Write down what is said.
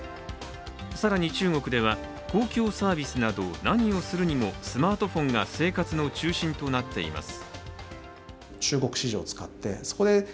更に中国では公共サービスなど何をするにもスマートフォンが生活の中心となっています。